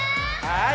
はい！